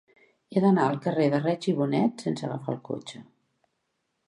He d'anar al carrer de Reig i Bonet sense agafar el cotxe.